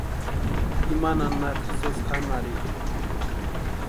Ima nanaka sési janharhitʼi.